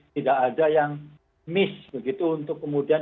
tidak ada yang miss begitu untuk kemudian